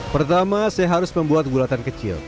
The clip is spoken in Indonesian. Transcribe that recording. pertama saya harus membuat bulatan kecil